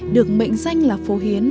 được mệnh danh là phổ hiến